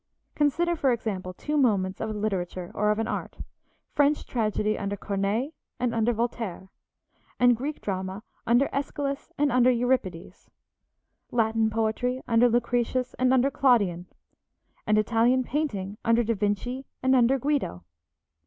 Consider, for example, two moments of a literature or of an art, French tragedy under Corneille and under Voltaire, and Greek drama under Æschylus and under Euripides, Latin poetry under Lucretius and under Claudian, and Italian painting under Da Vinci and under Guido.